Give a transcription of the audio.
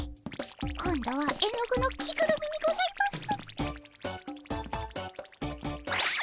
今度は絵の具の着ぐるみにございます。